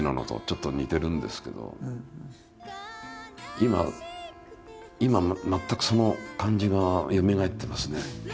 今今全くその感じがよみがえってますね。